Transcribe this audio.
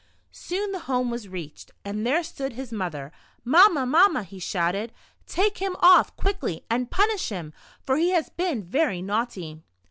Soon the home was reached, and there stood his mother. "Mamma, Mamma," he shouted, "take him off, quickly, and punish him, for he has been very naughty."